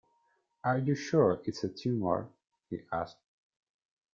“Are you sure it’s a tumour?” he asked.